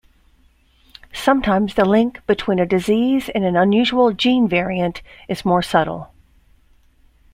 Sometimes the link between a disease and an unusual gene variant is more subtle.